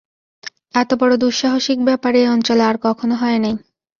এত বড়ো দুঃসাহসিক ব্যাপার এ অঞ্চলে আর কখনো হয় নাই।